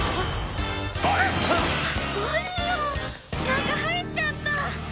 中入っちゃった。